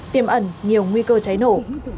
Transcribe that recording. tiêm ẩn nhiều nguy cơ cháy nổ